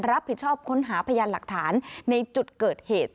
รับผิดชอบค้นหาพยานหลักฐานในจุดเกิดเหตุ